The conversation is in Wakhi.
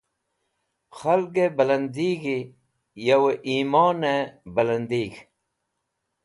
Khalgẽ balandig̃h yo yimonẽ belandig̃h.